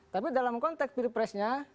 tapi dalam konteks pilih presnya